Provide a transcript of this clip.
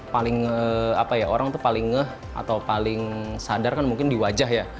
paling apa ya orang tuh paling ngeh atau paling sadar kan mungkin di wajah ya